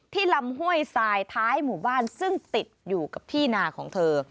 ลำห้วยทรายท้ายหมู่บ้านซึ่งติดอยู่กับที่นาของเธอ